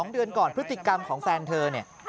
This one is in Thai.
๒เดือนก่อนพฤติกรรมของแฟนเธอเนี่ย